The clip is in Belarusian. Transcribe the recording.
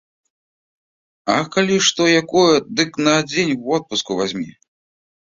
А калі што якое, дык на дзень водпуску вазьмі.